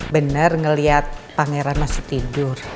bener ngeliat pangeran masih tidur